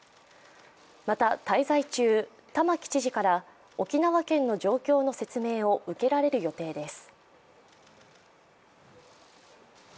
また、滞在中、玉城知事から沖縄県の状況の説明を受けられる予定です。